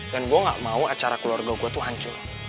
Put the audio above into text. gue gak mau acara keluarga gue tuh hancur